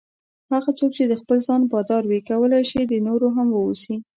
هغه څوک چې د خپل ځان بادار وي کولای شي د نورو هم واوسي.